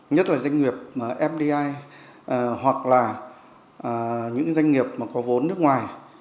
nhất là doanh nghiệp fdi hoặc là những doanh nghiệp mà có vốn nước ngoài